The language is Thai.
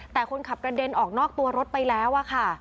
แต่คนขับกระเด็นออกนอกตัวรถไปแล้วค่ะ